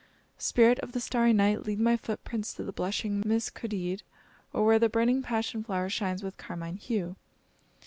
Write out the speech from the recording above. Spirit of the starry night! lead my foot prints to the blushing mis kodeed, or where the burning passion flower shines with carmine hue.